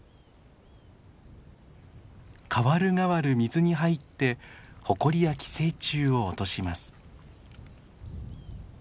代わる代わる水に入ってホコリや寄生虫を落とします。